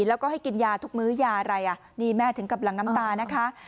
แล้วก็ให้กินยาทุกมื้อยาอะไรอ่ะนี่แม่ถึงกับหลังน้ำตานะคะ